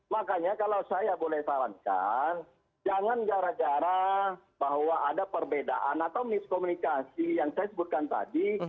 makanya kalau saya boleh sarankan jangan gara gara bahwa ada perbedaan atau miskomunikasi yang saya sebutkan tadi